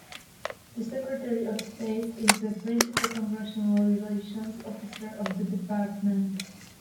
The Secretary of State is the principal Congressional Relations Officer of the Department.